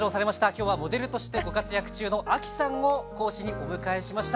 今日はモデルとしてご活躍中の亜希さんを講師にお迎えしました。